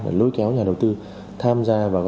để lôi kéo nhà đầu tư tham gia vào